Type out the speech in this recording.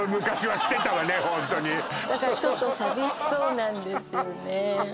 ホントにだからちょっと寂しそうなんですよね